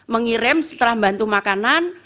mengirim setelah bantu makanan